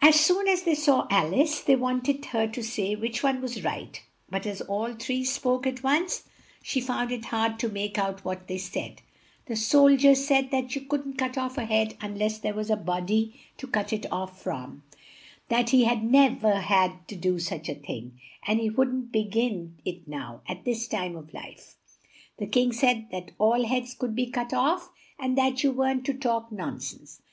As soon as they saw Al ice, they want ed her to say which one was right, but as all three spoke at once, she found it hard to make out what they said. The sol dier said that you couldn't cut off a head unless there was a bod y to cut it off from; that he had nev er had to do such a thing, and he wouldn't be gin it now, at his time of life. The King said that all heads could be cut off, and that you weren't to talk non sense.